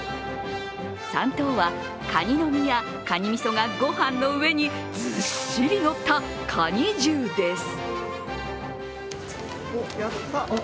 ３等は、かにの身やかにみそがご飯の上にずっしり乗ったカニ重です。